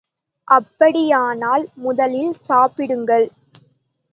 அப்படியானால் முதலில் சாப்பிடுங்கள்.